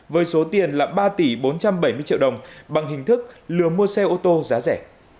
với số tiền là ba tỷ bốn trăm bảy mươi triệu đồng bằng hình thức lừa mua xe ô tô giá rẻ